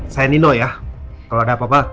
saya nino ya kalau ada apa apa